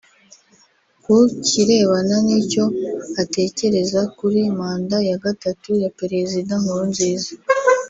Ku kirebana n’icyo atekereza kuri Manda ya gatatu ya Perezida Nkurunziza